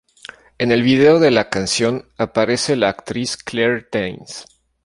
En el vídeo de la canción aparece la actriz Claire Danes.